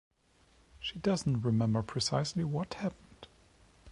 She doesn't remember precisely what happened.